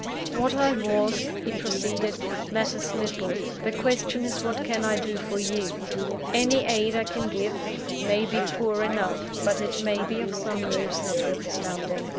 "What I was," he proceeded, "matters little; the question is what can I do for you? Any aid I can give, may be poor enough; but it may be of some use notwithstanding.